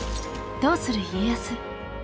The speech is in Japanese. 「どうする家康」。